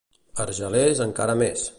A Argelers, encara més.